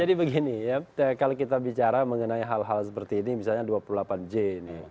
jadi begini kalau kita bicara mengenai hal hal seperti ini misalnya dua puluh delapan j ini